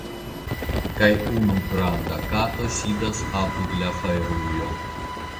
Kaj unu granda kato sidas apud la fajrujo.